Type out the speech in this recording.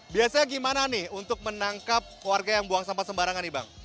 biasanya gimana nih untuk menangkap warga yang buang sampah sembarangan nih bang